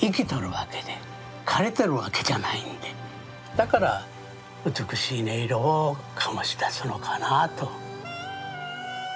だから美しい音色を醸し出すのかなぁと。